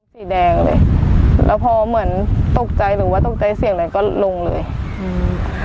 สีแดงเลยแล้วพอเหมือนตกใจหรือว่าตกใจเสียงอะไรก็ลงเลยอืม